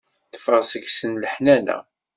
Teffeɣ seg-sen leḥnana.